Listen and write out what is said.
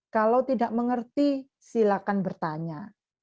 kalau tidak mengerti silakan bertanya